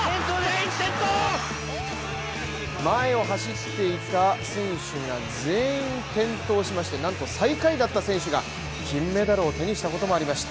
前を走っていた選手が全員転倒しましてなんと最下位だった選手が金メダルを手にしたこともありました。